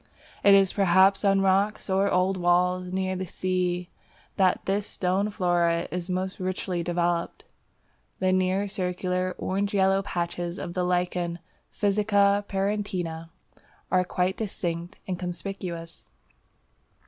It is perhaps on rocks or old walls near the sea that this stone flora is most richly developed. The nearly circular orange yellow patches of the Lichen Physcia parietina are quite distinct and conspicuous.